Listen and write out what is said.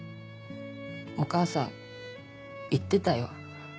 お母さん言ってたよ。